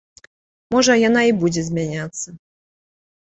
Можа, яна і будзе змяняцца.